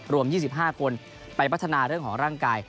รวม๒๕คนไปพัฒนาเรื่องของร่างกาย